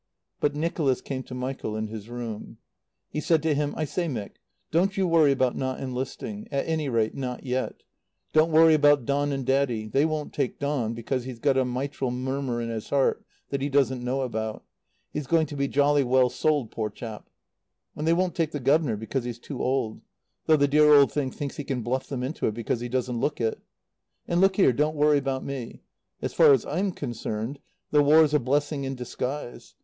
But Nicholas came to Michael in his room. He said to him: "I say, Mick, don't you worry about not enlisting. At any rate, not yet. Don't worry about Don and Daddy. They won't take Don because he's got a mitral murmur in his heart that he doesn't know about. He's going to be jolly well sold, poor chap. And they won't take the guv'nor because he's too old; though the dear old thing thinks he can bluff them into it because he doesn't look it. "And look here don't worry about me. As far as I'm concerned, the War's a blessing in disguise.